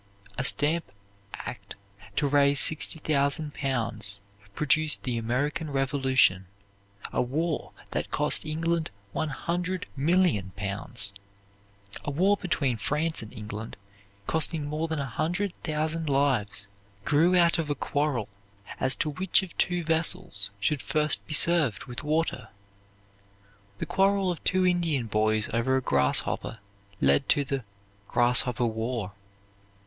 A stamp act to raise 60,000 pounds produced the American Revolution, a war that cost England 100,000,000 pounds. A war between France and England, costing more than a hundred thousand lives, grew out of a quarrel as to which of two vessels should first be served with water. The quarrel of two Indian boys over a grasshopper led to the "Grasshopper War."